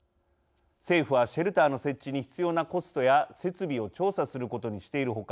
政府は、シェルターの設置に必要なコストや設備を調査することにしている他